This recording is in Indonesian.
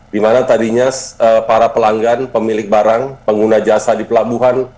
di mana tadinya para pelanggan pemilik barang pengguna jasa di pelabuhan